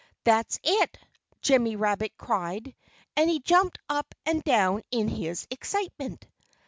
"That's it!" Jimmy Rabbit cried. And he jumped up and down in his excitement.